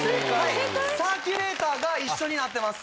サーキュレーターが一緒になってます。